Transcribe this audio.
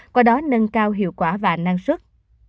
qua đó nâng cao hiệu quả và năng suất